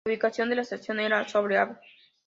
La ubicación de la estación era sobre Av.